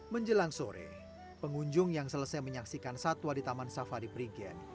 menjelang sore pengunjung yang selesai menyaksikan satwa di taman safari prigen